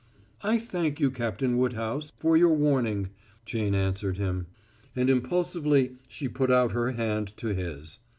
"I thank you, Captain Woodhouse, for your warning," Jane answered him, and impulsively she put out her hand to his.